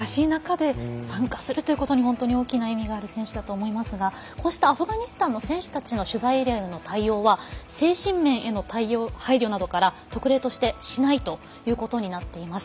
本当にコンディションの調整も難しい中で参加するということに、本当に大きな意味がある選手だと思いますがこうしたアフガニスタンの選手たちの取材エリアでの対応は精神面への配慮から特例としてしないということになっています。